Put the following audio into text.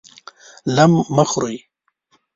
لم مه خورئ!